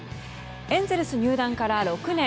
エンゼルス入団から６年。